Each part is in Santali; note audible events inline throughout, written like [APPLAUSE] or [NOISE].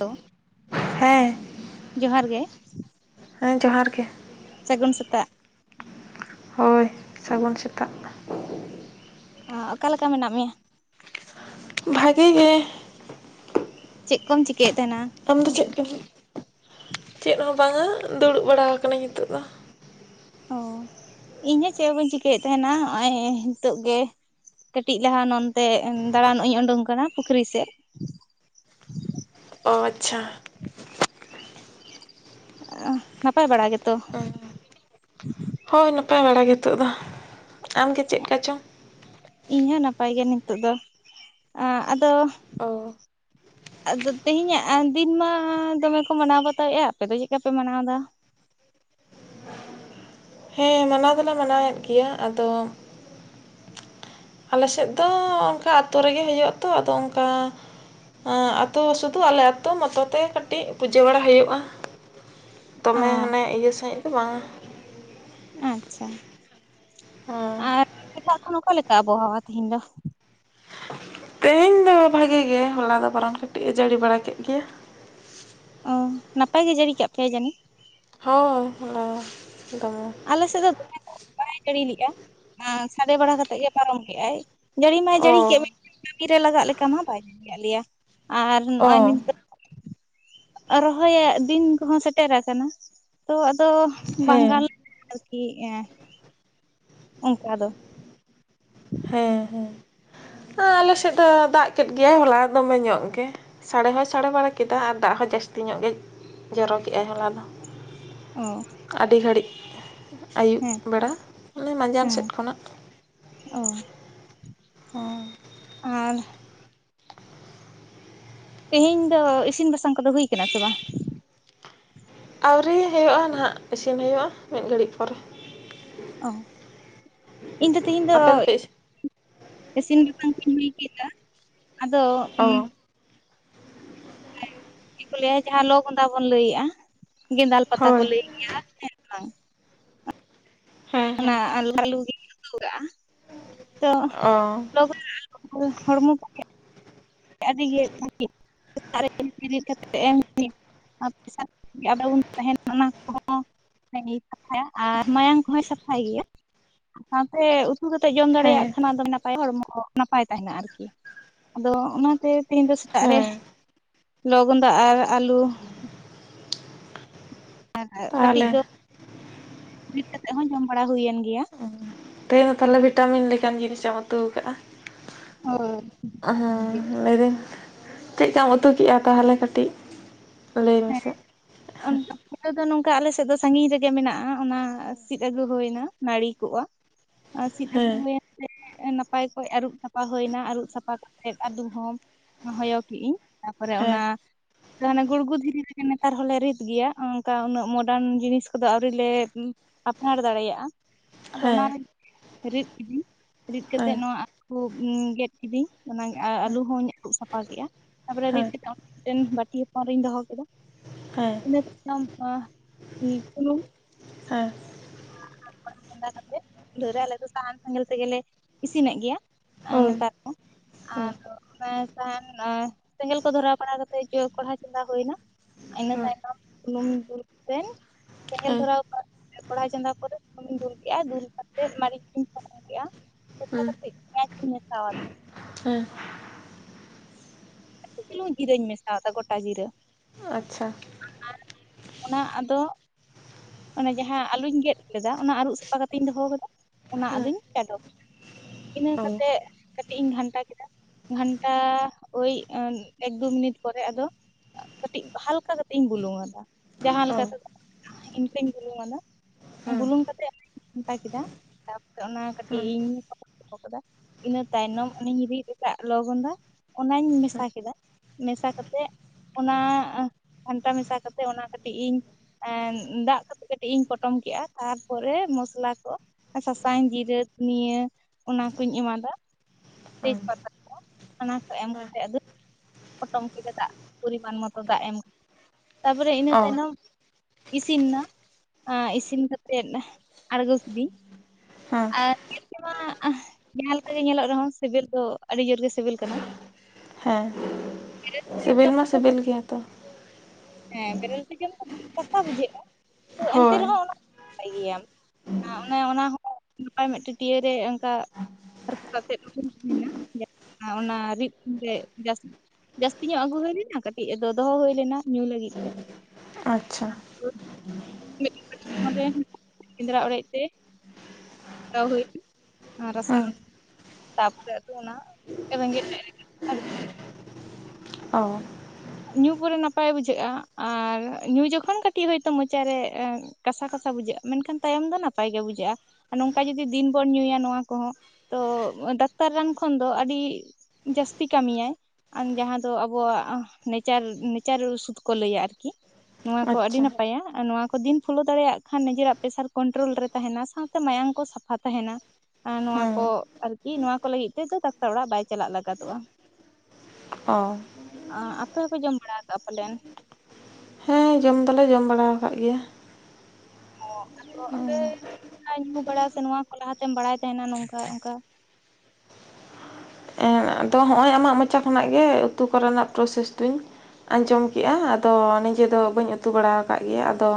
ᱦᱮᱞᱳ ᱦᱮᱸ ᱡᱚᱦᱟᱨ ᱜᱮ ᱦᱮᱸ ᱡᱚᱦᱟᱨ ᱜᱮ ᱥᱟᱹᱜᱩᱱ ᱥᱮᱛᱟᱜ ᱦᱳᱭ ᱥᱟᱹᱜᱩᱱ ᱥᱮᱛᱟᱜ ᱾ ᱚᱸᱻ ᱚᱠᱟ ᱞᱮᱠᱟ ᱢᱮᱱᱟᱜ ᱢᱮᱭᱟ? ᱵᱷᱟᱹᱜᱮ ᱜᱮ ᱾ ᱪᱮᱫ ᱠᱚᱢ ᱪᱤᱠᱟᱹᱭᱮᱫ ᱛᱟᱦᱮᱱᱟ? ᱟᱢᱫᱚ ᱪᱮᱫ ᱠᱟ. ᱢᱤ ᱪᱮᱫ ᱦᱚᱸ ᱵᱟᱝᱟ ᱫᱩᱲᱩᱵ ᱵᱟᱲᱟ ᱟᱠᱟᱱᱟᱹᱧ ᱱᱤᱛᱚᱜ ᱫᱚ ᱚ ᱤᱧ ᱦᱚᱸ ᱪᱮᱫ ᱦᱚᱸ ᱵᱟᱹᱧ ᱪᱤᱠᱟᱹᱭᱮᱫ ᱛᱟᱦᱮᱸᱱᱟ ᱱᱚᱜᱼᱚᱭ ᱱᱤᱛᱚᱜ ᱜᱮ ᱠᱟᱹᱴᱤᱡ ᱞᱟᱦᱟ ᱱᱚᱱᱛᱮ ᱫᱟᱬᱟᱱᱚᱜ ᱤᱧ ᱩᱰᱩᱝ ᱟᱠᱟᱱᱟ ᱯᱩᱠᱷᱨᱤ ᱥᱮᱫ, ᱚ, ᱟᱪᱪᱷᱟ ᱱᱟᱯᱟᱭ ᱵᱟᱲᱟ ᱜᱮᱛᱚ ᱦᱳᱭ ᱱᱟᱯᱟᱭ ᱵᱟᱲᱟ ᱜᱮ ᱱᱤᱛᱚᱜ ᱫᱚ ᱟᱢᱜᱮ ᱪᱮᱫᱠᱟ ᱪᱚᱝ ᱤᱧ ᱦᱚᱸ ᱱᱟᱯᱟᱭ ᱜᱮ ᱱᱤᱛᱚᱜ ᱫᱚ ᱟᱫᱚ ᱚ ᱟᱫᱚ ᱛᱮᱦᱮᱧᱟᱜ ᱫᱤᱱ ᱢᱟ ᱫᱚᱢᱮ ᱠᱚ ᱢᱟᱱᱟᱣ ᱵᱟᱛᱟᱣᱮᱫᱼᱟ, ᱟᱯᱮ ᱫᱚ ᱪᱮᱫ ᱞᱮᱠᱟ ᱯᱮ ᱢᱟᱱᱟᱣ ᱮᱫᱟ? ᱦᱮᱸ ᱢᱟᱱᱟᱣ ᱫᱚᱞᱮ ᱢᱟᱱᱟᱣᱮᱫ ᱜᱮᱭᱟ, ᱟᱫᱚ ᱟᱞᱮ ᱥᱮᱫ ᱫᱚ ᱚᱱᱠᱟ ᱟᱛᱳ ᱨᱮᱜᱮ ᱦᱩᱭᱩᱜ ᱟᱛᱚ ᱟᱫᱚ ᱚᱱᱠᱟ ᱾ ᱟᱛᱳ ᱥᱩᱫᱷᱩ ᱟᱞᱮ ᱟᱛᱳ ᱢᱚᱛᱚ ᱛᱮ ᱠᱟᱹᱴᱤᱡ ᱯᱩᱡᱟᱹ ᱵᱟᱲᱟ ᱦᱩᱭᱩᱜᱼᱟ ᱾ ᱚ ᱫᱚᱢᱮ ᱦᱟᱱᱮ ᱤᱭᱟᱹ ᱥᱟᱸᱦᱤᱡ ᱫᱚ ᱵᱟᱝᱟ ᱟᱪᱪᱷᱟ, ᱦᱮᱸ ᱟᱨ ᱮᱴᱟᱜ ᱠᱷᱚᱱ ᱚᱠᱟ ᱞᱮᱠᱟ ᱟᱵᱚᱦᱟᱣᱟ ᱛᱮᱦᱮᱧ ᱫᱚ? ᱛᱮᱦᱮᱧ ᱫᱚ ᱵᱷᱟᱜᱮ ᱜᱮ ᱦᱚᱞᱟ ᱫᱚ ᱵᱚᱨᱚᱱ ᱠᱟᱹᱴᱤᱡᱼᱮ ᱡᱟᱹᱲᱤ ᱵᱟᱲᱟ ᱠᱮᱫ ᱜᱮᱭᱟ ᱚᱻ ᱱᱟᱯᱟᱭ ᱜᱮ ᱡᱟᱹᱲᱤ ᱠᱟᱜ ᱯᱮᱭᱟᱭ ᱡᱟᱹᱱᱤᱡ? ᱦᱳᱭ ᱦᱳᱭ ᱫᱚᱢᱮ ᱟᱞᱮ ᱥᱮᱫ ᱫᱚ ᱵᱟᱭ ᱡᱟᱹᱲᱤ ᱞᱮᱜᱼᱟ, ᱥᱟᱰᱮ ᱵᱟᱲᱟ ᱠᱟᱛᱮᱜ ᱜᱮ ᱯᱟᱨᱚᱢ ᱠᱮᱜᱼᱟᱭ, ᱡᱟᱹᱲᱤ ᱢᱟᱭ ᱡᱟᱹᱲᱤ ᱠᱮᱫ ᱚ ᱠᱟᱹᱤ ᱨᱮ ᱞᱟᱜᱟᱜ ᱞᱮᱠᱟ ᱢᱟ ᱵᱟᱭ ᱡᱟᱹᱲᱤᱭᱟᱜ ᱞᱮᱭᱟ ᱟᱨ ᱱᱚᱜᱼᱚᱭ ᱚ ᱱᱤᱛᱚᱜ ᱨᱚᱦᱚᱭᱟᱜ ᱫᱤᱱ ᱠᱚᱦᱚᱸ ᱥᱮᱴᱮᱨ ᱟᱠᱟᱱᱟ ᱾ ᱛᱚ ᱟᱫᱚ ᱵᱟᱝᱜᱟᱱ ᱦᱮᱸ ᱦᱮᱸ [UNINTELLIGIBLE] ᱴᱷᱤᱠᱟᱹᱭᱮᱜᱼᱟ ᱚᱱᱠᱟ ᱫᱚ [INAUDIBLE] ᱚᱻ ᱟᱞᱮ ᱥᱮᱫ ᱫᱚ ᱫᱟᱜ ᱠᱮᱫ ᱜᱮᱭᱟᱭ ᱦᱚᱞᱟ ᱫᱚᱢᱮ ᱧᱚᱜ ᱜᱮ ᱥᱟᱰᱮ ᱦᱚᱸᱭ ᱥᱟᱰᱮ ᱵᱟᱲᱟ ᱠᱮᱫᱟ, ᱟᱨ ᱫᱟᱜ ᱦᱚᱸ ᱡᱟᱹᱥᱛᱤ ᱧᱚᱜ ᱜᱮ ᱡᱚᱨᱚ ᱠᱮᱜᱼᱟᱭ ᱦᱚᱞᱟ ᱫᱚ ᱾ ᱚᱻ ᱟᱹᱰᱤ ᱜᱷᱟᱹᱲᱤᱡ ᱟᱹᱭᱩᱵ ᱛᱚ ᱵᱮᱲᱟ, ᱢᱟᱱᱮ ᱢᱟᱡᱟᱱ ᱦᱮᱸ ᱥᱮᱫ ᱠᱷᱚᱱᱟᱜ, ᱚ ᱦᱮᱸ ᱟᱨ ᱛᱮᱦᱮᱧ ᱫᱚ ᱤᱥᱤᱱ ᱵᱟᱥᱟᱝ ᱠᱚᱫᱚ ᱦᱩᱭ ᱟᱠᱟᱱᱟ ᱥᱮ ᱵᱟᱝ? ᱟᱹᱣᱨᱤ ᱦᱩᱭᱩᱜᱼᱟ ᱱᱟᱦᱟᱜ ᱤᱥᱤᱱ ᱦᱩᱭᱩᱜᱼᱟ, ᱢᱤᱫ ᱜᱷᱟᱹᱲᱤᱡ ᱯᱚᱨᱮ ᱚ ᱤᱧ ᱫᱚ ᱛᱤᱦᱤᱧ ᱫᱚ ᱟᱯᱮ ᱫᱚᱯᱮ ᱤᱥᱤᱱ ᱤᱥᱤᱱ ᱵᱟᱥᱟᱝ ᱠᱩᱧ ᱦᱩᱭ ᱠᱮᱫᱟ, ᱟᱫᱚ ᱩᱸ ᱚ ᱪᱮᱫ ᱠᱚ ᱞᱟᱹᱭᱟ ᱡᱟᱦᱟᱸ ᱞᱚ ᱜᱚᱸᱫᱟ ᱵᱚᱱ ᱞᱟᱹᱭᱮᱜᱼᱟ ᱜᱮᱸᱫᱟᱞ ᱯᱟᱛᱟ ᱠᱚ ᱦᱳᱭ ᱞᱟᱹᱭ ᱜᱮᱭᱟ ᱦᱮᱸ ᱦᱮᱸ ᱦᱮᱸ ᱚᱱᱟ ᱟᱞᱩ ᱟᱞᱩ ᱜᱤ ᱩᱛᱩᱟᱠᱟᱜ ᱛᱚ ᱚ [UNINTELLIGIBLE] ᱦᱚᱲᱢᱚ ᱠᱚᱜᱮ ᱟᱹᱰᱤᱜ [UNINTELLIGIBLE] ᱥᱮᱛᱟᱜ ᱨᱮ ᱵᱮᱨᱮᱫ ᱠᱟᱛᱮᱫ ᱮᱢ ᱾ [UNINTELLIGIBLE] ᱯᱟ ᱟᱯᱩᱱ [UNINTELLIGIBLE] ᱛᱟᱦᱮᱱᱟ ᱚᱱᱟ ᱠᱚᱦᱚ ᱥᱟᱯᱷᱟᱭᱟ ᱟᱨ ᱢᱟᱭᱟᱝ ᱠᱚᱦᱚᱭ ᱥᱟᱯᱷᱟᱭ ᱜᱮᱭᱟ ᱟᱨ ᱥᱟᱶᱛᱮ ᱩᱛ ᱩᱛᱩ ᱠᱟᱛᱮ ᱡᱚᱢ ᱫᱟᱲᱮᱭᱟᱜ ᱦᱮᱸ ᱠᱷᱟᱱ ᱟᱫᱚ ᱱᱟᱯᱟᱭ ᱦᱚᱲᱢᱚ ᱱᱟᱯᱟᱭ ᱛᱟᱦᱮᱱᱟ ᱟᱨᱠᱤ ᱟᱫᱚ ᱚᱱᱟᱛᱮ ᱛᱮᱦᱤᱧ ᱫᱚ ᱥᱮᱛᱟᱜ ᱨᱮ ᱦᱮᱸ ᱞᱚᱣᱜᱚᱫᱟ ᱟᱨ ᱟᱞᱩ ᱟᱨ ᱠᱟᱴᱤᱡ ᱛᱟᱦᱚᱞᱮ ᱫᱚ [UNINTELLIGIBLE] ᱨᱤᱫ ᱠᱟᱛᱮᱫ ᱦᱚ ᱡᱚᱢ ᱵᱟᱲᱟ ᱦᱩᱭᱮᱱ ᱜᱮᱭᱟ᱾ ᱛᱮᱦᱮᱧ ᱫᱚ ᱛᱟᱦᱟᱞᱮ ᱵᱷᱤᱴᱟᱢᱤᱱ ᱞᱮᱠᱟᱱ ᱡᱤᱱᱤᱥᱮᱢ ᱩᱛᱩ ᱠᱟᱫᱟᱹ ᱦᱳᱭ ᱾ ᱜᱮ ᱦᱮᱸ ᱞᱟᱹᱭᱫᱟᱧ ᱪᱮᱫᱠᱟᱢ ᱩᱛᱩ ᱠᱮᱫᱼᱟ ᱛᱟᱦᱚᱞᱮ ᱠᱟᱴᱤᱡ ᱞᱟᱹᱭ ᱢᱮᱥᱮ? ᱚᱱᱠᱟ [INAUDIBLE] ᱫᱚ ᱱᱚᱝᱠᱟ ᱟᱞᱮᱥᱮᱫ ᱫᱚ ᱥᱟᱸᱜᱤᱧ ᱨᱮᱜᱮ ᱢᱮᱱᱟᱜᱼᱟ ᱚᱱᱟ ᱥᱤᱫ ᱟᱹᱜᱩ ᱦᱩᱭᱮᱱᱟ ᱱᱟᱹᱲᱤ ᱠᱚᱜᱼᱟ ᱟᱨ ᱥᱤᱫ ᱟᱹᱜᱩ ᱦᱮᱸ ᱦᱩᱭᱮᱱᱛᱮ ᱱᱟᱯᱟᱭ ᱚᱠᱚᱡ ᱟᱹᱨᱩᱵ ᱥᱟᱯᱷᱟ ᱦᱩᱭᱱᱟ ᱟᱹᱨᱩᱵ ᱥᱟᱯᱷᱟ ᱠᱟᱛᱮᱫ ᱟᱹᱞᱩ ᱦᱚ ᱦᱚᱭᱚ ᱠᱤᱜᱟᱹᱧ ᱛᱟᱯᱚᱨᱮ ᱚᱱᱟ ᱦᱮᱸ ᱟᱫᱚ ᱜᱩᱲᱜᱩ ᱫᱷᱤᱨᱤ ᱨᱮᱜᱮ ᱱᱮᱛᱟᱨ ᱦᱚᱞᱮ ᱨᱤᱛ ᱜᱮᱭᱟ ᱚᱱᱠᱟ ᱩᱱᱟᱹᱜ ᱢᱚᱰᱟᱨᱱ ᱡᱤᱱᱤᱥ ᱠᱚᱫᱚ ᱟᱹᱣᱨᱤ ᱞᱮ ᱟᱯᱱᱟᱨ ᱫᱟᱲᱮᱭᱟᱜᱼᱟ᱾ ᱟᱫᱚ ᱦᱮᱸ ᱚᱱᱟᱨᱮᱧ ᱨᱤᱫ ᱠᱤᱫᱤᱧ ᱨᱤᱫ ᱠᱟᱛᱮᱫ ᱦᱮᱸ ᱱᱚᱣᱟ ᱟᱞᱩ ᱜᱮᱫ ᱠᱤᱫᱟᱹᱧ ᱚᱱᱟ ᱟᱞᱩ ᱦᱚᱸᱧ ᱟᱨᱩᱯ ᱥᱟᱯᱷᱟ ᱠᱮᱜᱼᱟ ᱛᱟᱯᱚᱨᱮ ᱨᱤᱫ ᱦᱮᱸ ᱡᱟᱛᱮᱫ ᱟᱨ ᱢᱤᱫᱴᱮᱱ ᱵᱟᱹᱴᱤ ᱦᱚᱯᱚᱱ ᱨᱤᱧ ᱫᱚᱦᱚ ᱠᱮᱫᱟ᱾ ᱦᱮᱸ [UNINTELLIGIBLE] ᱦᱮᱸ ᱠᱚᱲᱦᱟ ᱪᱚᱸᱫᱟ ᱠᱟᱛᱮ ᱫᱷᱚᱨᱟᱣ ᱟᱞᱮ ᱫᱚ ᱥᱟᱦᱟᱱ ᱥᱮᱸᱜᱮᱞ ᱛᱮᱜᱮᱞᱮ ᱤᱥᱤᱱᱮᱫ ᱜᱮᱭᱟ᱾ ᱟᱨ ᱦᱳᱭ ᱱᱮᱛᱟᱨ ᱫᱚ ᱦᱮᱸ ᱟᱫᱚ ᱚᱱᱟ ᱥᱟᱦᱟᱱ ᱥᱮᱸᱜᱮᱞ ᱠᱚ ᱫᱷᱚᱨᱟᱣ ᱵᱟᱲᱟ ᱠᱟᱛᱮᱫ ᱡᱚ ᱠᱚᱲᱦᱟ ᱪᱚᱸᱫᱟ ᱦᱩᱭᱱᱟ᱾ ᱤᱱᱟᱹ ᱦᱮᱸ ᱛᱟᱭᱱᱚᱢ ᱥᱩᱱᱩᱢ ᱫᱩᱞ ᱠᱟᱛᱮᱱ ᱥᱮᱸᱜᱮᱞ ᱦᱮᱸ ᱫᱷᱚᱨᱟᱣ ᱠᱟᱛᱮ ᱠᱚᱲᱦᱟ ᱪᱚᱸᱫᱟ ᱠᱟᱛᱮ ᱛᱟᱨᱯᱚᱨᱮ ᱥᱩᱱᱤᱧ ᱫᱩᱞ ᱠᱮᱼᱟ ᱫᱩᱞ ᱠᱟᱛᱮᱫ ᱢᱟᱹᱨᱤᱪ ᱠᱩᱧ ᱯᱷᱟᱲᱟᱱ ᱠᱮᱫᱼᱟ᱾ ᱚᱱᱠᱟ ᱦᱮᱸ ᱠᱟᱛᱮ ᱯᱤᱭᱟᱡ ᱤᱧ ᱢᱮᱥᱟᱣ ᱟᱫᱟ ᱦᱮᱸ ᱪᱤᱞᱩ ᱪᱩᱞᱩᱝ ᱡᱤᱨᱟᱹᱧ ᱢᱮᱥᱟᱣ ᱟᱫᱟ ᱜᱚᱴᱟ ᱡᱤᱨᱟᱹ᱾ ᱟᱪᱷᱟ ᱟᱨ ᱚᱱᱟ ᱟᱫᱚ ᱚᱱᱟ ᱡᱟᱦᱟᱸ ᱟᱞᱩᱧ ᱜᱮᱫ ᱞᱮᱫᱟ ᱚᱱᱟ ᱟᱹᱨᱩᱵ ᱥᱟᱯᱷᱟ ᱠᱟᱛᱮᱧ ᱫᱚᱦᱚᱣ ᱠᱟᱫᱟᱹ ᱾ ᱚᱱᱟ ᱟᱫᱩᱧ ᱪᱟᱰᱚ ᱠᱟᱫᱟ ᱤᱱᱟᱹ ᱚ ᱠᱟᱛᱮᱜ ᱠᱟᱹᱴᱤᱡ ᱤᱧ ᱜᱷᱟᱱᱴᱟ ᱠᱮᱫᱟ ᱜᱷᱟᱱᱴᱟ... ᱳᱭ ᱮᱠ ᱫᱩ ᱢᱤᱱᱤᱴ ᱯᱚᱨᱮ ᱟᱫᱚ ᱠᱟᱹᱴᱤᱡ ᱦᱟᱞᱠᱟ ᱠᱟᱛᱤᱧ ᱵᱩᱞᱩᱝ ᱟᱫᱟ᱾ ᱡᱟᱦᱟ ᱚ ᱞᱮᱠᱟ ᱛᱮ ᱟᱫᱟᱼᱟ ᱤᱱᱠᱟᱹᱧ ᱵᱩᱞᱩᱝ ᱟᱫᱚ ᱦᱮᱸ ᱵᱩᱞᱩᱝ ᱠᱟᱛᱮ ᱟᱫᱚᱧ ᱜᱷᱟᱱᱴᱟ ᱠᱮᱫᱟ᱾ ᱛᱟᱯᱚᱨᱮ ᱚᱱᱟ ᱠᱟᱹᱴᱤᱡ ᱦᱮᱸ ᱤᱧ ᱴᱟᱯᱚ ᱠᱟᱫᱟ ᱤᱱᱟᱹ ᱛᱟᱭᱱᱚᱢ ᱚᱱᱤᱧ ᱨᱤᱫ ᱟᱠᱟᱫ ᱞᱚᱣᱜᱚᱸᱫᱟ ᱚᱱᱟᱧ ᱢᱮᱥᱟ ᱢᱮᱥᱟ ᱠᱮᱫᱟ ᱢᱮᱥᱟ ᱠᱟᱛᱮ ᱚᱱᱟ ᱜᱷᱟᱱᱴᱟ ᱢᱮᱥᱟ ᱠᱟᱛᱮ ᱚᱱᱟ ᱠᱟᱴᱤᱡ ᱤᱧ ᱮᱱ ᱫᱟᱜ ᱠᱟᱛᱮᱫ ᱠᱟᱴᱤᱡ ᱤᱧ ᱯᱚᱴᱚᱢ ᱠᱮᱫᱟ ᱛᱟᱨᱯᱚᱨᱮ ᱢᱚᱥᱞᱟ ᱠᱚ ᱥᱟᱥᱟᱝ ᱡᱤᱨᱟᱹ ᱫᱷᱩᱱᱤᱹᱭ ᱚᱱᱟ ᱠᱩᱧ ᱮᱢᱟᱫᱟ᱾ ᱛᱮᱡᱽ ᱦᱮᱸ ᱯᱟᱛᱟ ᱠᱚ ᱚᱱᱟ ᱠᱚ ᱮᱢ ᱦᱮᱸ ᱠᱟᱛᱮ ᱟᱫᱩᱧ ᱯᱚᱴᱚᱢ ᱠᱮᱫ ᱫᱟᱜ ᱯᱚᱨᱤᱢᱟᱱ ᱢᱚᱛᱚ ᱫᱟᱜ ᱮᱢ ᱠᱟᱛᱮ ᱛᱟᱯᱚᱨᱮ ᱤᱱᱟᱹ ᱚ ᱛᱟᱭᱱᱚᱢ ᱤᱥᱤᱱ ᱱᱟ ᱤᱥᱤᱱ ᱠᱟᱛᱮᱫ ᱟᱬᱜᱚ ᱠᱤᱫᱤᱧ᱾ ᱦᱮᱸ ᱟᱨ ᱧᱮᱞᱛᱮᱢᱟ ᱡᱟᱦᱟ ᱞᱮᱠᱟ ᱜᱮ ᱧᱮᱞᱚᱜ ᱨᱮᱦᱚ ᱥᱤᱵᱤᱞ ᱫᱚ ᱟᱹᱰᱤ ᱡᱳᱨᱜ ᱥᱤᱵᱤᱞ ᱠᱟᱱᱟ᱾ ᱦᱮᱸ ᱥᱤᱵᱤᱞ ᱡᱚᱢ ᱢᱟ ᱛᱮᱫᱚ ᱥᱤᱵᱤᱞ ᱜᱮᱭᱟ ᱛᱚ᱾ ᱦᱮᱸ ᱵᱮᱨᱮᱞ ᱛᱮ ᱡᱮᱢ ᱠᱟᱛᱮ ᱠᱟᱥᱟ ᱵᱩᱡᱷᱟᱹᱜᱼᱟ ᱛᱚ ᱮᱱᱛᱮ ᱦᱳᱭ ᱨᱮᱦᱚᱸ ᱚᱱᱟ ᱱᱟᱯᱟᱭ ᱜᱮᱭᱟ᱾ ᱚᱱᱮ ᱚᱱᱟ ᱦᱚ ᱚᱱᱠᱟ ᱢᱤᱫᱴᱟᱝ ᱴᱟ. ᱴᱭᱟ. ᱨᱮ ᱚᱱᱠᱟ ᱟᱨ ᱚᱱᱠᱟ ᱠᱟᱛᱮᱫ ᱦᱩᱭᱮᱱᱟ ᱚᱱᱟ ᱨᱤᱫ ᱜᱮ ᱡᱟᱥᱛᱤ ᱡᱟᱹᱥᱛᱤ ᱧᱚᱜ ᱟᱹᱜᱩ ᱦᱩᱭ ᱞᱮᱱᱟ ᱠᱟᱹᱴᱤᱡ ᱟᱫᱚ ᱫᱚᱦᱚ ᱦᱩᱭ ᱞᱮᱱᱟ᱾ ᱧᱩ ᱞᱟᱹᱜᱤᱫ ᱛᱮ [INAUDIBLE] ᱟᱪᱪᱷᱟ [UNINTELLIGIBLE] ᱨᱮ ᱥᱮᱸᱫᱽᱨᱟ ᱚᱲᱮᱡ ᱛᱮ [UNINTELLIGIBLE] ᱟᱨ ᱦᱮᱸ ᱨᱟᱥᱟᱜᱼᱟ ᱛᱟᱯᱚᱨᱮ ᱫᱚ ᱚᱱᱟ ᱨᱮᱜᱮᱡ ᱞᱟᱡ ᱨᱮ ᱟᱨᱠᱤ ᱚ ᱧᱩ ᱯᱩᱨᱮ ᱱᱟᱯᱟᱭ ᱵᱩᱡᱷᱟᱹᱜᱼᱟ, ᱟᱨ ᱧᱩ ᱡᱚᱠᱷᱚᱱ ᱠᱟᱹᱴᱤᱡ ᱦᱳᱭᱛᱳ ᱢᱚᱪᱟᱨᱮ, ᱠᱟᱥᱟ ᱠᱟᱥᱟ ᱵᱩᱡᱷᱟᱹᱜᱼᱟ, ᱢᱮᱱᱠᱷᱟᱱ ᱛᱟᱭᱚᱢ ᱫᱚ ᱱᱟᱯᱟᱭ ᱜᱮ ᱵᱩᱡᱷᱟᱹᱜᱼᱟ, ᱱᱚᱝᱠᱟ ᱡᱩᱫᱤ ᱫᱤᱱ ᱵᱚᱱ ᱧᱩᱭᱟ ᱱᱚᱣᱟ ᱠᱚᱦᱚᱸ ᱾ ᱛᱚ ᱫᱟᱠᱛᱟᱨ ᱨᱟᱱ ᱠᱷᱚᱱ ᱫᱚ, ᱟᱹᱰᱤ ᱡᱟᱹᱥᱛᱤ ᱠᱟᱹᱢᱤᱭᱟᱭ ᱟᱨ ᱡᱟᱦᱟᱸ ᱫᱚ ᱟᱵᱚᱣᱟᱜ ᱱᱮᱪᱟᱨ ᱱᱮᱪᱟᱨ ᱥᱩᱫ ᱠᱚ ᱞᱟᱹᱭ ᱟ ᱟᱨᱠᱤ, ᱱᱚᱣᱟ ᱠᱚ ᱟᱹᱰᱤ ᱟᱪᱪᱷᱟ ᱱᱟᱯᱟᱭᱟ ᱟᱨ ᱱᱚᱣᱟ ᱠᱚ ᱾ ᱫᱤᱱ ᱯᱷᱚᱞᱳ ᱫᱟᱲᱮᱭᱟᱜ ᱠᱷᱟᱱ ᱱᱤᱡᱮᱨᱟᱜ ᱯᱮᱥᱟᱨ ᱠᱚᱱᱴᱨᱳᱞ ᱨᱮ ᱛᱟᱦᱮᱱᱟ ᱥᱟᱶᱛᱮ ᱢᱟᱭᱟᱝ ᱠᱚ ᱥᱟᱯᱷᱟ ᱛᱟᱦᱮᱱᱟ ᱮ ᱱᱚᱣᱟ ᱦᱮᱸ ᱠᱚ ᱟᱨᱠᱤ ᱱᱚᱣᱟ ᱠᱚ ᱞᱟᱹᱜᱤᱫ ᱛᱮᱫᱚ ᱰᱟᱠᱛᱟᱨ ᱚᱲᱟᱜ ᱵᱟᱭ ᱪᱟᱞᱟᱜ ᱞᱟᱜᱟᱫᱚᱜᱼᱟ᱾ ᱚᱦ ᱟᱻ ᱟᱯᱮ ᱦᱚᱸᱯᱮ ᱡᱚᱢ ᱵᱟᱲᱟ ᱠᱟᱜᱼᱟ ᱯᱟᱞᱮᱱ? ᱦᱮᱸ ᱡᱚᱢ ᱫᱚᱞᱮ ᱡᱚᱢ ᱵᱟᱲᱟ ᱟᱠᱟᱫ ᱜᱮᱭᱟ ᱚ ᱟᱫᱚ ᱟᱯᱮ ᱧᱩ ᱵᱟᱲᱟᱭ ᱥᱮ ᱱᱚᱣᱟ ᱠᱚ ᱞᱟᱦᱟᱛᱮᱢ ᱵᱟᱲᱟᱭ ᱛᱟᱦᱮᱱᱟ ᱱᱚᱝᱠᱟ ᱚᱱᱠᱟ ᱟᱫᱚ ᱦᱚᱸᱜᱼᱚᱭ ᱟᱢᱟᱜ ᱢᱚᱪᱟ ᱠᱷᱚᱱᱟᱜ ᱜᱮ ᱩᱛᱩ ᱠᱚᱨᱮᱱᱟᱜ ᱯᱨᱚᱥᱮᱥ ᱫᱚᱧ ᱟᱸᱡᱚᱢ ᱠᱮᱫᱮᱜᱼᱟ, ᱟᱫᱚ ᱱᱤᱡᱮ ᱫᱚ ᱵᱟᱹᱧ ᱩᱛᱩ ᱵᱟᱲᱟ ᱟᱠᱟᱫ ᱜᱮᱭᱟ, ᱟᱫᱚ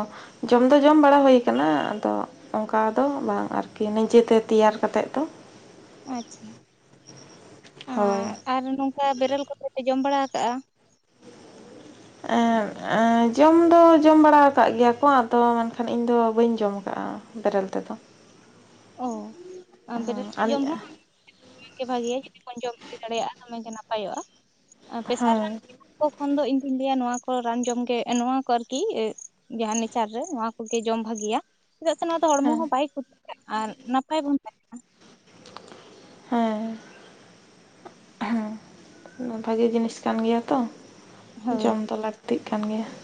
ᱡᱚᱢ ᱫᱚ ᱡᱚᱢ ᱵᱟᱲᱟ ᱦᱩᱭᱩ ᱠᱟᱱᱟ ᱟᱫᱚ ᱚᱱᱠᱟ ᱫᱚ ᱵᱟᱝ ᱟᱨᱠᱤ ᱱᱤᱡᱮᱛᱮ ᱛᱮᱭᱟᱨ ᱠᱟᱛᱮᱫ ᱫᱚ ᱟᱪᱪᱷᱟ ᱦᱳᱭ ᱟᱨ ᱟᱨ ᱱᱚᱝᱠᱟ ᱵᱮᱨᱮᱞ ᱠᱚᱛᱮ ᱯᱮ ᱡᱚᱢ ᱵᱟᱲᱟ ᱟᱠᱟᱜᱼᱟ ᱡᱚᱢ ᱫᱚ ᱡᱚᱢ ᱵᱟᱲᱟ ᱟᱠᱟᱫ ᱜᱮᱭᱟ ᱠᱚ ᱟᱫᱚ ᱢᱮᱱᱠᱷᱟᱱ ᱤᱧᱫᱚ ᱵᱟᱹᱧ ᱡᱚᱢ ᱟᱠᱟᱜᱼᱟ ᱵᱮᱨᱮᱞ ᱛᱮᱫᱚ ᱚ ᱟᱨ ᱵᱮᱨᱮᱞ ᱥᱮᱫ ᱦᱮᱸ ᱡᱚᱢ ᱦᱚᱸ, ᱫᱚ ᱜᱮ ᱵᱷᱟᱜᱮᱭᱟ ᱡᱩᱫᱤ ᱵᱚᱱ ᱡᱚᱢ ᱪᱤ ᱫᱟᱲᱮᱭᱟᱜᱼᱟ ᱫᱚᱢᱮ ᱜᱮ ᱱᱟᱯᱟᱭᱚᱜᱼᱟ ᱟᱨ ᱯᱮᱥᱟᱨ ᱦᱮᱸ ᱨᱟᱱ ᱠᱚ ᱠᱷᱚᱱ ᱫᱚ ᱤᱧ ᱫᱩᱧ ᱞᱟᱹᱭ ᱟ ᱱᱚᱣᱟ ᱠᱚ ᱨᱟᱱ ᱡᱚᱢ ᱱᱚᱣᱟ ᱠᱚ ᱟᱨᱠᱤ ᱡᱟᱦᱟᱸ ᱱᱮᱪᱟᱨ ᱨᱮ ᱱᱚᱣᱟ ᱠᱚᱜᱮ ᱡᱚᱢ ᱵᱷᱟᱹᱜᱤᱭᱟ ᱪᱮᱫᱟᱜ ᱥᱮ ᱱᱚᱣᱟ ᱫᱚ ᱦᱚᱲᱢᱚ ᱦᱮᱸ ᱦᱚᱸ ᱵᱟᱭ ᱟᱨ ᱱᱟᱯᱟᱭ ᱵᱚᱱ ᱛᱟᱦᱮ ᱦᱮᱸ ᱵᱷᱟᱜᱤ ᱡᱤᱱᱤᱥ ᱠᱟᱱ ᱜᱮᱭᱟ ᱛᱚ, ᱦᱳᱭ ᱡᱚᱢ ᱫᱚ ᱞᱟᱹᱠᱛᱤᱜ ᱠᱟᱱ ᱜᱮᱭᱟ ᱾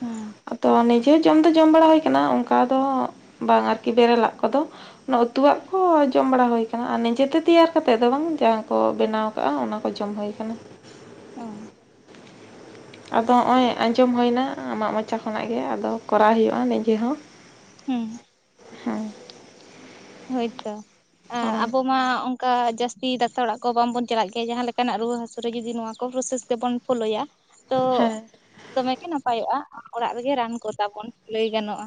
ᱦᱩᱸ ᱟᱫᱚ ᱱᱤᱡᱮ ᱡᱚᱢ ᱫᱚ ᱡᱚᱢ ᱵᱟᱲᱟ ᱦᱩᱭ ᱠᱟᱱᱟ, ᱚᱱᱠᱟ ᱫᱚ ᱵᱟᱝ ᱟᱨᱠᱤ ᱵᱮᱨᱮᱞ ᱞᱟᱜ ᱠᱚᱫᱚ ᱾ ᱚᱱᱟ ᱩᱛᱩᱣᱟᱜ ᱠᱚ ᱡᱚᱢ ᱵᱟᱲᱟ ᱦᱩᱭ ᱟᱠᱟᱱᱟ, ᱟᱨ ᱱᱤᱡᱮᱛᱮ ᱛᱮᱭᱟᱨ ᱠᱟ ᱠᱟᱛᱮᱫ ᱫᱚ ᱵᱟᱝ ᱡᱟᱦᱟᱸ ᱠᱚ ᱵᱮᱱᱟᱣ ᱟᱜ ᱚᱱᱟ ᱠᱚ ᱡᱚᱢ ᱦᱩᱭᱩ ᱟᱠᱟᱱᱟ ᱾ ᱚ ᱟᱫᱚ ᱦᱚᱸᱜ ᱚᱭ ᱟᱸᱡᱚᱢ ᱦᱩᱭᱱᱟ ᱟᱢᱟᱜ ᱢᱚᱪᱟ ᱠᱷᱚᱱᱟᱜ ᱜᱮ ᱟᱫᱚ ᱠᱚᱨᱟᱣ ᱦᱩᱭᱩᱜᱼᱟ ᱱᱤᱡᱮ ᱦᱚᱸ ᱦᱩᱸ ᱦᱮᱸ ᱦᱳᱭᱛᱚ ᱦᱳᱭ ᱟᱵᱚ ᱢᱟ ᱚᱱᱠᱟ ᱡᱟᱹᱥᱛᱤ ᱫᱟᱛᱟᱨ ᱚᱲᱟᱜ ᱠᱚ ᱵᱟᱝᱵᱚᱱ ᱪᱟᱞᱟᱜ ᱜᱮᱭᱟ, ᱡᱟᱦᱟᱸ ᱞᱮᱠᱟᱱᱟᱜ ᱨᱩᱣᱟᱹ ᱦᱟᱹᱥᱩᱨᱮ ᱡᱩᱫᱤ ᱱᱚᱣᱟ ᱠᱚ ᱯᱨᱚᱥᱮᱥ ᱜᱮᱵᱚᱱ ᱯᱷᱳᱞᱳᱭᱟ ᱾ ᱛᱚ ᱦᱮᱸ ᱫᱚᱢᱮ ᱱᱟᱯᱟᱭᱚᱜᱼᱟ ᱚᱲᱟᱜ ᱨᱮᱜᱮ ᱨᱟᱱ ᱠᱚ ᱛᱟᱵᱚᱱ ᱞᱟᱹᱭ ᱜᱟᱱᱚᱜᱼᱟ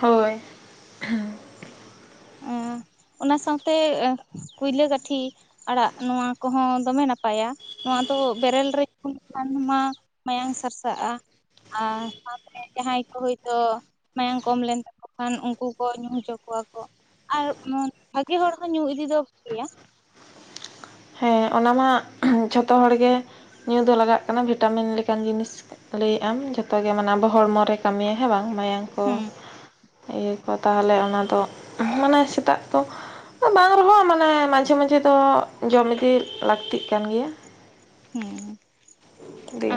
ᱦᱳᱭ ᱚᱱᱟ ᱥᱟᱶᱛᱮ ᱠᱩᱭᱞᱟᱹ ᱠᱟᱹᱴᱷᱤ ᱟᱲᱟᱜ ᱱᱚᱣᱟ ᱠᱚᱦᱚᱸ ᱫᱚᱢᱮ ᱱᱟᱯᱟᱭᱟ, ᱱᱚᱣᱟ ᱫᱚ ᱵᱮᱨᱮᱞ ᱨᱮ ᱠᱷᱟᱱ ᱢᱟ ᱢᱟᱭᱟᱝ ᱥᱟᱨᱥᱟᱜᱼᱟ ᱟᱨ ᱥᱟᱶᱛᱮ ᱡᱟᱦᱟᱸᱭ ᱠᱚ ᱦᱳᱭᱛᱳ ᱢᱟᱭᱟᱢ ᱠᱚᱢ ᱞᱮᱱ ᱛᱟᱠᱚ ᱠᱷᱟᱱ, ᱩᱱᱠᱩ ᱠᱚ ᱧᱩ ᱦᱚᱪᱚ ᱠᱚᱣᱟ ᱠᱚ ᱾ ᱟᱨ ᱵᱷᱟᱜᱮ ᱦᱚᱲ ᱦᱚᱸ ᱧᱩ ᱤᱫᱤ ᱫᱚ ᱵᱷᱟᱜᱭᱟ ᱦᱮᱸ ᱚᱱᱟ ᱢᱟ ᱡᱷᱚᱛᱚ ᱦᱚᱲ ᱜᱮ ᱧᱩ ᱫᱚ ᱞᱟᱜᱟᱜ ᱠᱟᱱᱟ ᱵᱷᱤᱴᱟᱢᱤᱱ ᱞᱮᱠᱟᱱ ᱡᱤᱱᱤᱥ ᱞᱟᱹᱭ ᱮᱜ ᱟᱢ ᱡᱚᱛᱚᱜᱮ ᱢᱟᱱᱮ ᱟᱵᱚ ᱦᱚᱲᱢᱚ ᱨᱮ ᱠᱟᱹᱢᱤᱭᱟ ᱦᱮᱸ ᱵᱟᱝ ᱢᱟᱭᱟᱝ ᱠᱚ ᱦᱩᱸ ᱤᱭᱟᱹ ᱠᱚᱣᱟ ᱛᱟᱦᱚᱞᱮ ᱚᱱᱟᱫᱚ ᱢᱟᱱᱮ ᱥᱮᱛᱟᱜ ᱫᱚ, ᱵᱟᱝ ᱨᱮᱦᱚᱸ ᱢᱟᱱᱮ ᱢᱟᱡᱷᱮ ᱢᱟᱡᱷᱮ ᱫᱚ ᱡᱚᱢ ᱤᱫᱤ ᱞᱟᱹᱠᱛᱤᱜ ᱠᱟᱱ ᱜᱮᱭᱟ ᱦᱮᱸ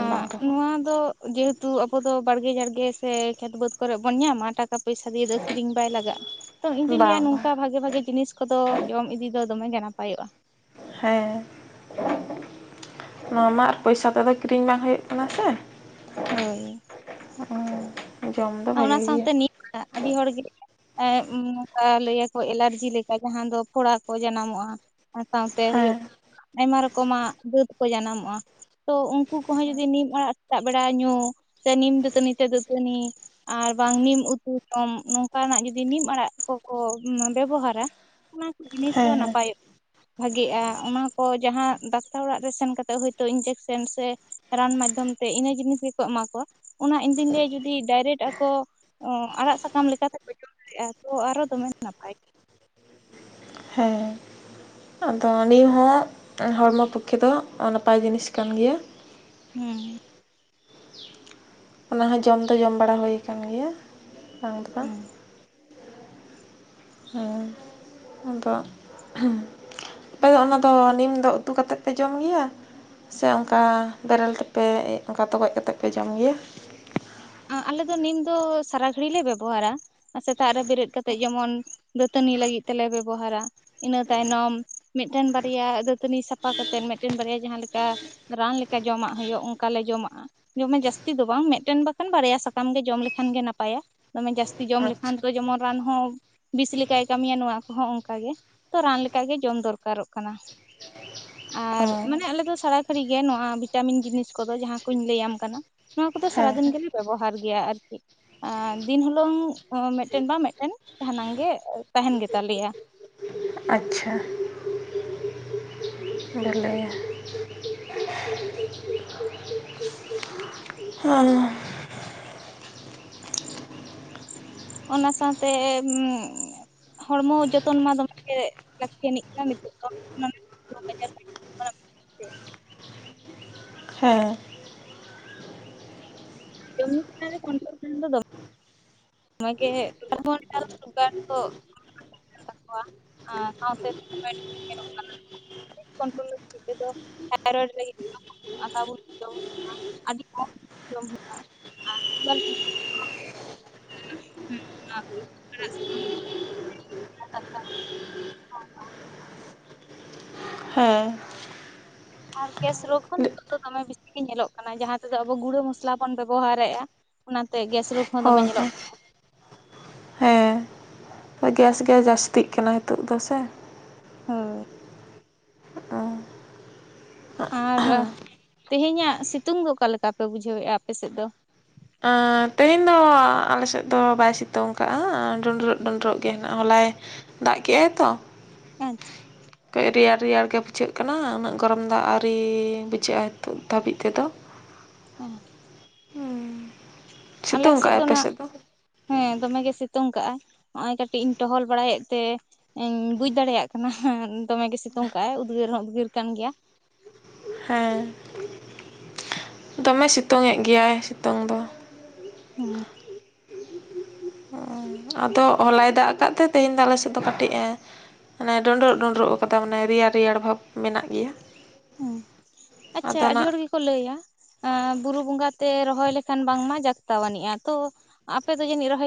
ᱟ ᱵᱟᱝ ᱨᱮᱦᱚᱸ ᱱᱚᱣᱟ ᱫᱚ ᱡᱮᱦᱮᱛᱩ ᱟᱵᱚ ᱫᱚ ᱵᱟᱲᱜᱮ ᱡᱟᱲᱜᱮ ᱥᱮ ᱠᱷᱮᱛ ᱵᱟᱹᱫᱽ ᱠᱚᱨᱮ ᱵᱚᱱ ᱧᱟᱢᱟ ᱴᱟᱠ ᱴᱟᱠᱟ ᱯᱚᱭᱥᱟ ᱫᱤᱭᱮ ᱠᱤᱨᱧ ᱵᱟᱭ ᱞᱟᱜᱟᱜᱼᱟ ᱛᱚ ᱤᱧ ᱞᱟᱹᱭᱟ ᱵᱟᱝ ᱵᱟᱝ ᱱᱚᱝᱠᱟ ᱵᱷᱟᱜᱮ ᱵᱷᱟᱜᱤ ᱡᱤᱱᱤᱥ ᱠᱚᱫᱚ ᱡᱚᱢ ᱤᱫᱤ ᱫᱚ ᱫᱚᱢᱮ ᱜᱮ ᱱᱟᱯᱟᱭᱚᱜᱼᱟ ᱦᱮᱸ [INAUDIBLE] ᱱᱚᱣᱟ ᱢᱟ ᱟᱨ ᱯᱚᱭᱥᱟ ᱛᱮᱫᱚ ᱠᱤᱨᱤᱧ ᱵᱟᱝ ᱦᱩᱭᱩᱜ ᱠᱟᱱᱟ ᱥᱮ ᱦᱳᱭ [UNINTELLIGIBLE] ᱚᱱᱟ ᱵᱷᱟᱜᱮ ᱜᱮᱭᱟ ᱥᱟᱶᱛᱮ ᱱᱤᱭᱟᱹ ᱟᱹᱰᱤ ᱦᱚᱲᱜᱮ ᱮᱸ ᱩ ᱩᱱᱠᱟ ᱞᱟᱹᱭᱟᱠᱚ ᱮᱞᱟᱨᱡᱤ ᱞᱮᱠᱟ ᱡᱟᱦᱟᱸ ᱫᱚ ᱯᱷᱚᱲᱟ ᱠᱚ ᱡᱟᱱᱟᱢᱚᱜᱼᱟ ᱥᱟᱶᱛᱮ ᱦᱩᱭᱩᱜ ᱦᱮᱸ ᱟᱭᱢᱟ ᱨᱚᱠᱚᱢᱟᱜ ᱫᱟᱹᱛ ᱠᱚ ᱡᱟᱱᱟᱢᱚᱜᱼᱟ ᱛᱳ ᱩᱱᱠᱩ ᱠᱚᱦᱚᱸ ᱡᱩᱫᱤ ᱱᱤᱢ ᱟᱲᱟᱜ ᱥᱮᱛᱟᱜ ᱵᱮᱲᱟ ᱧᱩ ᱥᱮ ᱱᱤᱢ ᱫᱟᱹᱛᱟᱹᱱᱤ ᱛᱮ ᱫᱟᱹᱛᱟᱹᱱᱤ ᱟᱨ ᱵᱟᱝ ᱱᱤᱢ ᱩᱛᱩ ᱡᱚᱢ ᱱᱚᱝᱠᱟᱱᱟᱜ ᱡᱩᱫᱤ ᱱᱤᱢ ᱟᱲᱟᱜ ᱠᱚᱠᱚ ᱵᱮᱵᱚᱦᱟᱨᱟ ᱾ ᱚᱱᱟ ᱠᱚ ᱡᱤᱱᱤᱥ ᱦᱚᱸ ᱦᱮᱸ ᱦᱮᱸ ᱱᱟᱯᱟᱭᱚᱜᱼᱟ ᱵᱷᱟᱜᱤᱜᱼᱟ ᱚᱱᱟ ᱠᱚ ᱡᱟᱦᱟᱸ ᱫᱟᱠᱛᱟᱨ ᱚᱲᱟᱜ ᱨᱮ ᱥᱮᱱ ᱠᱟᱛᱮᱜ ᱦᱚᱳᱛᱳ ᱤᱧᱡᱮᱠᱥᱮᱱ ᱥᱮ ᱨᱟᱱ ᱢᱟᱫᱽᱫᱷᱚᱢ ᱛᱮ ᱤᱱᱟᱹ ᱡᱤᱱᱤᱥ ᱜᱮᱠᱚ ᱮᱢᱟ ᱠᱚᱣᱟ ᱚᱱᱟ ᱤᱧ ᱫᱩᱧ ᱞᱟᱹᱭᱟ ᱡᱩᱫᱤ ᱰᱟᱭᱨᱮᱴ ᱠᱚ ᱟᱲᱟᱜ ᱥᱟᱠᱟᱢ ᱞᱮᱠᱟ ᱛᱮ ᱠᱚ ᱡᱚᱢ ᱫᱟᱲᱮᱜᱼᱟ ᱛᱚ ᱟᱨᱚ ᱫᱚᱢᱮ ᱱᱟᱯᱟᱭ᱾ ᱦᱮᱸ ᱟᱫᱚ ᱱᱤᱭᱟᱹ ᱦᱚᱸ ᱦᱚᱲᱢᱚ ᱯᱚᱠᱠᱷᱮ ᱫᱚ ᱱᱟᱯᱟᱭ ᱡᱤᱱᱤᱥ ᱠᱟᱱ ᱜᱮᱭᱟ ᱦᱩᱸ ᱚᱱᱟ ᱦᱚᱸ ᱡᱚᱢ ᱫᱚ ᱡᱚᱢ ᱵᱟᱲᱟ ᱦᱩᱭ ᱟᱠᱟᱱ ᱜᱮᱭᱟ ᱵᱟᱝ ᱫᱚ ᱵᱟᱝ ᱦᱩᱸ ᱦᱩᱸ ᱟᱫᱚ ᱟᱯᱮ ᱫᱚ ᱚᱱᱟᱫᱚ ᱱᱤᱢ ᱫᱚ ᱩᱛᱩ ᱠᱟᱛᱮᱫ ᱯᱮ ᱡᱚᱢ ᱜᱮᱭᱟ ᱥᱮ ᱚᱱᱠᱟ ᱵᱮᱨᱮᱞ ᱛᱮᱯᱮ ᱚᱱᱠᱟ ᱛᱚᱜᱚᱡ ᱠᱟᱛᱮᱫ ᱯᱮ ᱡᱚᱢ ᱜᱮᱭᱟ ᱟᱞᱮ ᱫᱚ ᱱᱤᱢ ᱫᱚ ᱥᱟᱨᱟ ᱜᱷᱟᱹᱲᱤ ᱞᱮ ᱵᱮᱵᱚᱦᱟᱨᱟ ᱟᱨ ᱥᱮᱛᱟᱜ ᱨᱮ ᱵᱮᱨᱮᱫ ᱠᱟᱛᱮᱜ ᱡᱮᱢᱚᱱ ᱫᱟᱹᱛᱟᱹᱱᱤ ᱞᱟᱹᱜᱤᱫ ᱛᱮᱞᱮ ᱵᱮᱵᱚᱦᱟᱨᱟ ᱤᱱᱟᱹ ᱛᱟᱭᱱᱚᱢ ᱢᱤᱫᱴᱮᱱ ᱵᱟᱨᱭᱟ ᱫᱟᱹᱛᱟᱹᱱᱤ ᱥᱟᱯᱷᱟᱛᱮᱫ ᱢᱤᱫᱴᱮᱱ ᱵᱟᱨᱭᱟ ᱡᱟᱦᱟᱸ ᱞᱮᱠᱟ ᱨᱟᱱ ᱞᱮᱠᱟ ᱡᱚᱢᱟᱜ ᱦᱩᱭᱩᱜ ᱚᱱᱠᱟᱞᱮ ᱡᱚᱢᱟᱜᱼᱟ ᱡᱚᱢᱮ ᱡᱟᱹᱥᱛᱤ ᱫᱚ ᱵᱟᱝ ᱢᱤᱫᱴᱮᱱ ᱵᱟ ᱠᱷᱟᱱ ᱵᱟᱨᱭᱟ ᱥᱟᱠᱟᱢ ᱜᱮ ᱡᱚᱢ ᱞᱮᱠᱷᱟᱱ ᱜᱮ ᱱᱟᱯᱟᱭᱟ ᱫᱚᱢᱮ ᱡᱟᱹᱥᱛᱤ ᱡᱚᱢ ᱞᱮᱠᱷᱟᱱ ᱟᱪᱪᱷᱟ ᱛᱚ ᱡᱮᱢᱚᱱ ᱨᱟᱱ ᱦᱚᱸ ᱵᱤᱥ ᱞᱮᱠᱟᱭ ᱠᱟᱹᱢᱤᱭᱟ ᱱᱚᱣᱟ ᱠᱚᱦᱚᱸ ᱚᱱᱠᱟᱜ ᱜᱮ ᱛᱚ ᱨᱟᱱ ᱞᱮᱠᱟ ᱜᱮ ᱡᱚᱢ ᱫᱚᱨᱠᱟᱨᱚᱜ ᱠᱟᱱᱟ ᱚ ᱟᱨ ᱦᱮᱸ ᱢᱟᱱᱮ ᱟᱞᱮᱫ ᱫᱚ ᱥᱟᱨᱟ ᱜᱷᱟᱹᱲᱤᱡ ᱜᱮ ᱱᱚᱣᱟ ᱵᱷᱤᱴᱟᱢᱤᱱ ᱡᱤᱱᱤᱥ ᱠᱚᱫᱚ ᱡᱟᱦᱟᱸ ᱠᱚᱧ ᱞᱟᱹᱭᱟᱢ ᱠᱟᱱᱟ ᱱᱚᱣᱟ ᱠᱚᱫᱚ ᱦᱮᱸ ᱥᱟᱨᱟᱫᱤᱱ ᱜᱮᱞᱮ ᱵᱮᱵᱚᱦᱟᱨ ᱜᱮᱭᱟ ᱟᱨᱠᱤ ᱟᱨ ᱫᱤᱱ ᱦᱩᱞᱹᱝ ᱢᱤᱫᱴᱮᱱ ᱵᱟᱝ ᱢᱤᱫᱴᱮᱱ ᱡᱟᱦᱟᱱᱟᱝ ᱜᱮ ᱛᱟᱦᱮᱱ ᱜᱮᱛᱟᱞᱮᱭᱟ ᱟᱪᱪᱷᱟ [INAUDIBLE] ᱞᱟᱹᱭᱟ [INAUDIBLE] [UNINTELLIGIBLE] ᱚᱱᱟ ᱥᱟᱶᱛᱮ [UNINTELLIGIBLE] ᱦᱚᱲᱢᱚ ᱡᱚᱛᱚᱱ ᱢᱟ ᱫᱚᱢᱮᱜ ᱜᱮ ᱞᱟᱹᱠᱛᱟᱱᱤ ᱠᱟᱱᱟ ᱱᱤᱛᱚᱜ ᱫᱚ ᱨᱳᱜᱽ ᱟᱡᱟᱨ ᱠᱚ ᱧᱟᱢᱚᱜ ᱠᱟᱱᱟ ᱦᱮᱸ [UNINTELLIGIBLE] ᱫᱚ ᱢᱮ [INAUDIBLE] [UNINTELLIGIBLE] ᱛᱟᱠᱚᱣᱟ ᱟᱨ ᱥᱟᱶᱥ [UNINTELLIGIBLE] ᱭᱧᱮᱞᱚᱜ ᱠᱟᱱᱟ [UNINTELLIGIBLE] [UNINTELLIGIBLE] ᱟᱹᱰᱤ ᱠᱚᱢ ᱡᱚᱢᱼᱟ ᱟᱨ [INAUDIBLE] [UNINTELLIGIBLE] [UNINTELLIGIBLE] ᱦᱮᱸ ᱟᱨ ᱜᱮᱥ ᱨᱳᱜᱽ ᱦᱚᱸ ᱱᱤᱛᱚᱜ ᱫᱚ ᱫᱚᱢᱮ ᱵᱮᱥᱤ ᱜᱮ ᱧᱮᱞᱚᱜ ᱠᱟᱱᱟ ᱡᱟᱦᱟᱸᱟ ᱛᱮᱫᱚ ᱟᱵᱚ ᱜᱩᱲᱟᱹ ᱢᱚᱥᱞᱟ ᱵᱚᱱ ᱵᱮᱵᱚᱦᱟᱨᱮᱫᱼᱟ ᱚᱱᱟᱛᱮ ᱜᱮᱥ ᱨᱳᱜᱽ ᱦᱚᱸ ᱫᱚᱢᱮ ᱧᱮᱞᱚᱜ ᱠᱟᱱᱟ [UNINTELLIGIBLE] ᱦᱮᱸ ᱜᱮᱥ ᱜᱮ ᱡᱟᱹᱥᱛᱤᱜ ᱠᱟᱱᱟ ᱱᱤᱛᱚᱜ ᱫᱚ ᱥᱮ ᱦᱳᱭ ᱟᱨ ᱛᱮᱦᱮᱧᱟᱜ ᱥᱤᱛᱩᱝ ᱫᱚ ᱚᱠᱟ ᱞᱮᱠᱟ ᱯᱮ ᱵᱩᱡᱷᱟᱹᱣᱮᱫᱼᱟ ᱟᱯᱮ ᱥᱮᱫ ᱫᱚ ᱛᱮᱦᱮᱧ ᱫᱚ ᱟᱞᱮ ᱥᱮᱫ ᱫᱚ ᱵᱟᱭ ᱥᱤᱛᱩᱝ ᱠᱟᱜᱼᱟ ᱰᱩᱸᱰᱨᱟᱹᱜ ᱰᱩᱸᱰᱨᱟᱹᱜ ᱜᱮ ᱦᱮᱱᱟᱜ ᱦᱚᱞᱟᱭ ᱫᱟᱜ ᱠᱮᱜ ᱟᱭ ᱛᱚ? ᱮᱸ ᱪᱷᱮ ᱠᱟᱹᱡ ᱨᱮᱭᱟᱲ ᱨᱮᱭᱟᱲ ᱜᱮ ᱵᱩᱡᱷᱟᱹᱜ ᱠᱟᱱᱟ ᱩᱱᱟᱹᱜ ᱜᱚᱨᱚᱢ ᱫᱟᱜ ᱟᱹᱣᱨᱤ ᱵᱩᱡᱷᱟᱹᱜᱼᱟ ᱱᱤᱛᱚᱜ ᱫᱷᱟᱹᱵᱤᱡ ᱛᱮᱫᱚ [UNINTELLIGIBLE] ᱟᱞᱮ ᱥᱤᱛᱩᱝ ᱥᱮᱫ ᱠᱟᱜᱼᱟᱭ ᱫᱚ ᱟᱯᱮ ᱱᱟᱜ ᱦᱮᱸ ᱫᱚᱢᱮ ᱜᱮ ᱥᱤᱛᱩᱝ ᱠᱟᱜ ᱟᱭ ᱱᱚᱜ ᱚᱭ ᱠᱟᱹᱴᱤᱡ ᱤᱧ ᱴᱚᱦᱚᱞ ᱵᱟᱲᱟᱭᱮᱫ ᱛᱮ ᱤᱧ ᱵᱩᱡ ᱫᱟᱲᱮᱭᱟᱜ ᱠᱟᱱᱟ ᱫᱚᱢᱮ ᱜᱮ ᱥᱤᱛᱩᱝ ᱠᱟᱜᱼ ᱟᱭ ᱩᱫᱽᱜᱟᱹᱨ ᱦᱚᱸ ᱩᱫᱽᱜᱟᱹᱨ ᱠᱟᱱ ᱜᱮᱭᱟ ᱦᱮᱸ ᱫᱚᱢᱮ ᱥᱮᱛᱳᱝᱮᱫ ᱜᱮᱭᱟᱭ ᱥᱮᱛᱳᱝ ᱫᱚ ᱦᱩᱸ ᱟᱫᱚ ᱦᱚᱞᱟᱭ ᱫᱟᱜ ᱟᱠᱟᱫ ᱛᱮ ᱛᱮᱦᱮᱧ ᱫᱚ ᱟᱞᱮ ᱥᱮᱫ ᱫᱚ ᱠᱟᱹᱴᱤᱡᱼᱮ ᱦᱟᱱᱮ ᱰᱚᱸᱰᱨᱚᱜ ᱰᱩᱸᱰᱨᱚᱜ ᱟᱠᱟᱫᱟ ᱢᱟᱱᱮ ᱨᱮᱭᱟᱲ ᱨᱮᱭᱟᱲ ᱵᱷᱟᱵᱽ ᱢᱮᱱᱟᱜ ᱜᱮᱭᱟ ᱦᱩᱸ ᱟᱪᱪᱷᱟ ᱟᱫᱚ ᱟᱹᱰᱤ ᱱᱟᱜ ᱦᱚᱲ ᱜᱮᱠᱚ ᱞᱟᱹᱭᱟ ᱟᱸ ᱵᱩᱨᱩ ᱵᱚᱸᱜᱟ ᱛᱮ ᱨᱚᱦᱚᱭ ᱞᱮᱠᱷᱟᱱ ᱵᱟᱝᱢᱟ ᱡᱟᱠᱛᱟᱣᱟᱱᱤᱡᱜᱼᱟ ᱛᱚ ᱟᱯᱮᱫᱚ ᱡᱟᱹᱱᱤᱡ ᱨᱚᱦᱚᱭ